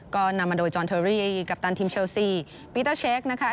ก็นำมาโดยจอนเทอรี่กัปตันทีมเชลซีปีเตอร์เช็คนะคะ